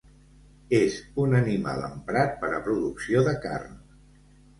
És un animal emprat per a producció de carn.